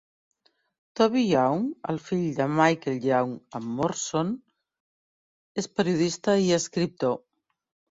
Toby Young, el fill de Michael Young amb Moorsom, és periodista i escriptor.